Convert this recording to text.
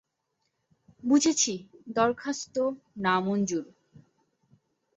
বুঝেছি, দরখাস্ত নামঞ্জুর।